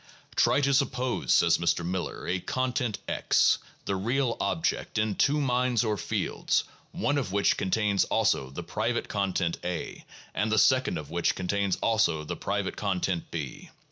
"Try to suppose," says Mr. Miller, "a content X [the real object] in two minds or fields one of which contains also the private content A, and the second of which contains also the private content B.